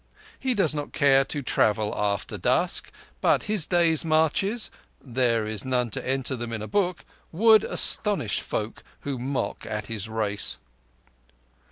He does not care to travel after dusk; but his days' marches—there is none to enter them in a book—would astonish folk who mock at his race.